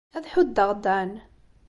Ad ḥuddeɣ Dan.